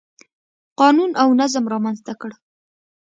قانون او نظم رامنځته کړ.